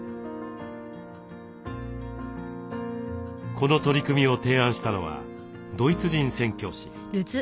この取り組みを提案したのはドイツ人宣教師。